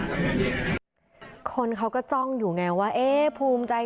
สมบัติการพลังมีชาติรักษ์ได้หรือเปล่า